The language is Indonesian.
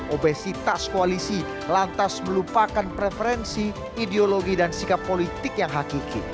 obesitas koalisi lantas melupakan preferensi ideologi dan sikap politik yang hakiki